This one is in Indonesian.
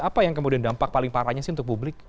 apa yang kemudian dampak paling parahnya sih untuk publik